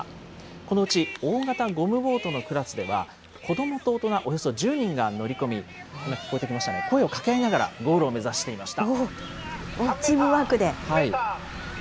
このうち大型ゴムボートのクラスでは、子どもと大人およそ１０人が乗り込み、聞こえてきましたね、声を掛け合いながらゴールを目指していました。